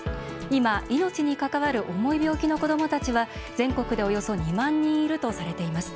今、命に関わる重い病気の子どもたちは全国でおよそ２万人いるとされています。